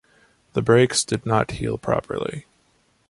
The breaks did not heal properly.